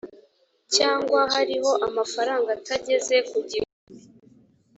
cyangwa hariho amafaranga atageze ku gihumbi